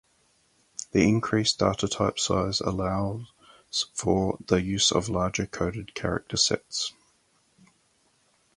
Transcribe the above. The increased datatype size allows for the use of larger coded character sets.